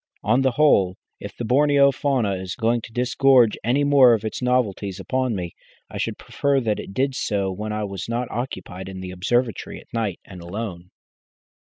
On the whole, if the Borneo fauna is going to disgorge any more of its novelties upon me, I should prefer that it did so when I was not occupied in the observatory at night and alone."